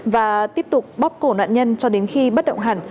và tiếp tục bóc cổ nạn nhân cho đến khi bất động hẳn